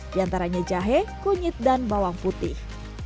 di antaranya jahe kunyit dan bawang putih